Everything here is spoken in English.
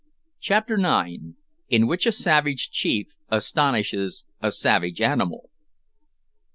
CHAPTER NINE. IN WHICH A SAVAGE CHIEF ASTONISHES A SAVAGE ANIMAL.